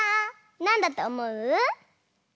なんだとおもう？